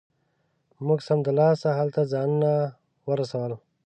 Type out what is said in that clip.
موږ سمدلاسه هلته ځانونه ورسول.